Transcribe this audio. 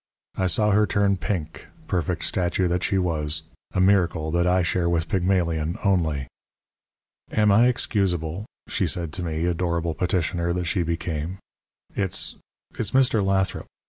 I saw her turn pink, perfect statue that she was a miracle that I share with Pygmalion only. "Am I excusable?" she said to me adorable petitioner that she became. "It's it's Mr. Lathrop.